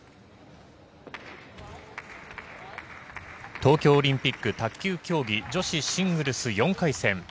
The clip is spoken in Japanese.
東京オリンピック卓球競技女子シングルス４回戦。